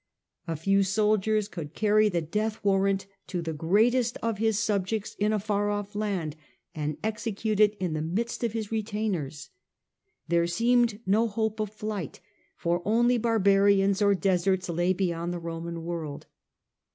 A few soldiers could carry the death warrant to the greatest of his subjects in a far off land, and execute it in the midst of his retainers. There seemed no hope of flight, for only barbarians or deserts lay beyond the Roman world.